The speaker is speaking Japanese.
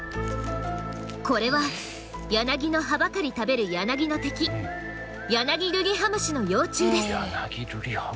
これはヤナギの葉ばかり食べるヤナギルリハムシの幼虫。